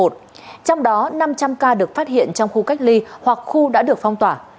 trong đó năm trăm linh ca được phát hiện trong khu cách ly hoặc khu đã được phong tỏa